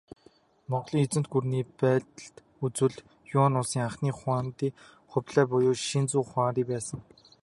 Монголын эзэнт гүрний байдалд үзвэл, Юань улсын анхны хуанди Хубилай буюу Шизү хуанди байсан.